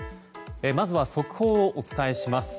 まずは速報をお伝えします。